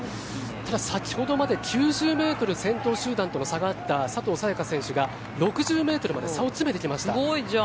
ただ、先ほどまで９０ｍ先頭集団との差があった佐藤早也伽選手が６０ｍまで差を詰めてきました。